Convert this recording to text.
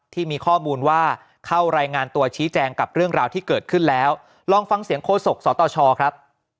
ที่มีข้อมูลว่าเข้ารายงานตัวชี้แจงกับเรื่องราวที่เกิดขึ้นแล้วลองฟังเสียงโฆษกสตชครับ